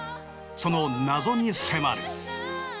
その謎に迫る。